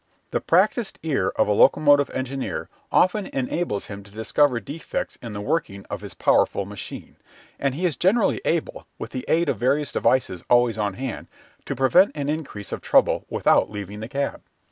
The practised ear of a locomotive engineer often enables him to discover defects in the working of his powerful machine, and he is generally able, with the aid of various devices always on hand, to prevent an increase of trouble without leaving the cab.